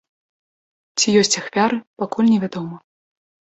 Ці ёсць ахвяры, пакуль невядома.